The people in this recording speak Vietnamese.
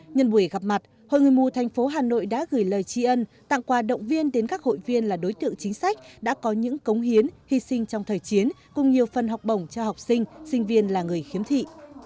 nhân buổi gặp mặt hội người mù thành phố hà nội đã gửi lời tri ân tặng quà động viên đến các hội viên là đối tượng chính sách đã có những cống hiến hy sinh trong thời chiến cùng nhiều phần học bổng cho học sinh sinh viên là người khiếm thị